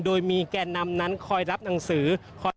โดยมีแก่นำนั้นคอยรับหนังสือ